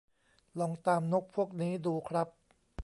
ลองตามนกพวกนี้ดูครับ